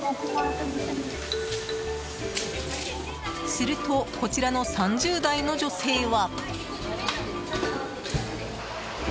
するとこちらの３０代の女性は。